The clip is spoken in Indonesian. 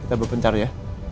kita berbentar ya